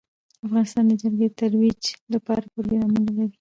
افغانستان د جلګه د ترویج لپاره پروګرامونه لري.